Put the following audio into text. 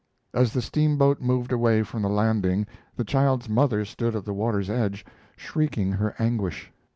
As the steamboat moved away from the landing the child's mother stood at the water's edge, shrieking her anguish.